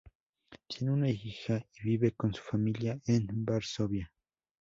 Tiene una hija y vive con su familia en Varsovia.